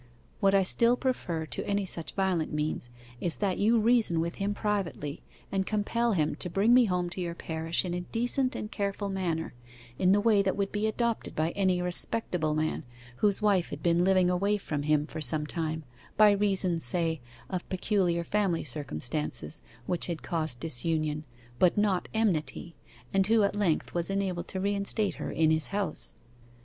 'What I still prefer to any such violent means is that you reason with him privately, and compel him to bring me home to your parish in a decent and careful manner, in the way that would be adopted by any respectable man, whose wife had been living away from him for some time, by reason, say, of peculiar family circumstances which had caused disunion, but not enmity, and who at length was enabled to reinstate her in his house.